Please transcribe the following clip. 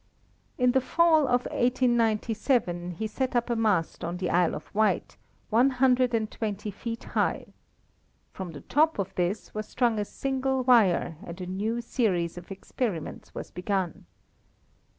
In the fall of 1897 he set up a mast on the Isle of Wight, one hundred and twenty feet high. From the top of this was strung a single wire and a new series of experiments was begun.